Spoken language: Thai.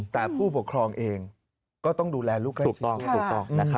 แต่ผู้ปกครองเองก็ต้องดูแลลูกใกล้ชีวิต